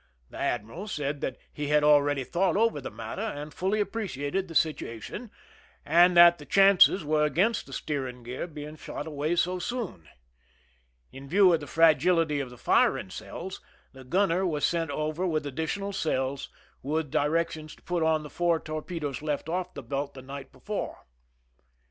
The admiral said that he had already thought over the matter and fully appreciated the situation, but that the chances were against the steering gear being shot away so soon. In view of the fragility of the firing cells, the gunner was sent over with additional cells, with directions to put on the four torpedoes left off the belt the night before.